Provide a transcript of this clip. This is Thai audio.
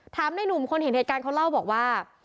ในหนุ่มคนเห็นเหตุการณ์เขาเล่าบอกว่า